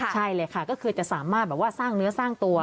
ใช่เลยค่ะก็คือจะสามารถแบบว่าสร้างเนื้อสร้างตัว